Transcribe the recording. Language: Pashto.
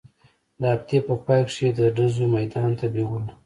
د هفتې په پاى کښې يې د ډزو ميدان ته بېولو.